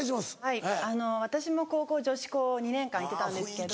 はい私も高校女子校２年間行ってたんですけど。